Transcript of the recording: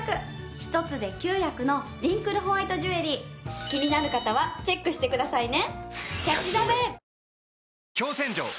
１つで９役のリンクルホワイトジュエリー気になる方はチェックしてくださいね。